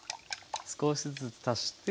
少しずつ足して。